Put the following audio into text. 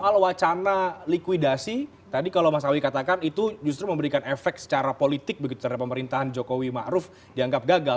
soal wacana likuidasi tadi kalau mas awi katakan itu justru memberikan efek secara politik begitu terhadap pemerintahan jokowi ⁇ maruf ⁇ dianggap gagal